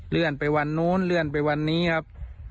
เลื่อนไปวันนู้นเลื่อนไปวันนี้ครับ